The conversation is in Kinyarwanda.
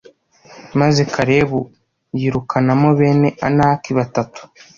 Maze Kalebu yirukanamo bene Anaki batatu